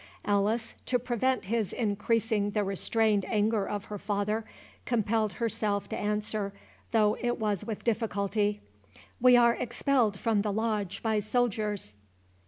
Alice, to prevent his increasing the restrained anger of her father, compelled herself to answer, though it was with difficulty, "We are expelled from the Lodge by soldiers."